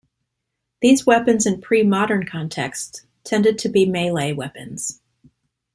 These weapons in pre-modern contexts tended to be melee weapons.